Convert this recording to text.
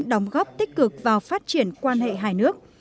đóng góp tích cực vào phát triển quan hệ hai nước